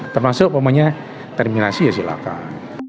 termasuk pokoknya terminasi ya silahkan